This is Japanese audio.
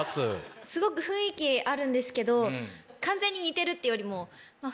すごく雰囲気あるんですけど完全に似てるっていうよりも。